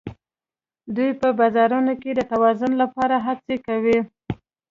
دوی په بازارونو کې د توازن لپاره هڅه کوي